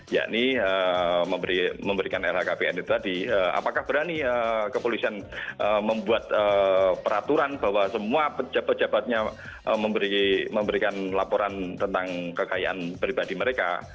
yakni memberikan lhkpn itu tadi apakah berani kepolisian membuat peraturan bahwa semua pejabatnya memberikan laporan tentang kekayaan pribadi mereka